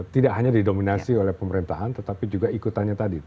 tidak hanya didominasi oleh pemerintahan tetapi juga ikutannya tadi